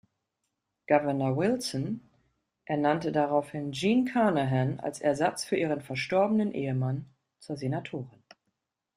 Gouverneur Wilson ernannte daraufhin Jean Carnahan als Ersatz für ihren verstorbenen Ehemann zur Senatorin.